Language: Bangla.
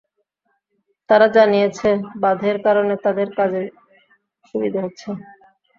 তারা জানিয়েছে, বাঁধের কারণে তাদের কাজে সুবিধা হচ্ছে।